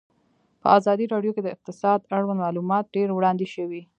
په ازادي راډیو کې د اقتصاد اړوند معلومات ډېر وړاندې شوي.